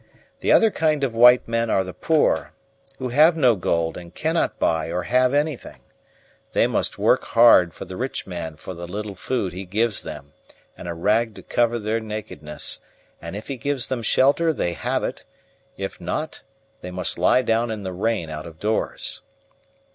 The other kind of white men are the poor, who have no gold and cannot buy or have anything: they must work hard for the rich man for the little food he gives them, and a rag to cover their nakedness; and if he gives them shelter they have it; if not they must lie down in the rain out of doors.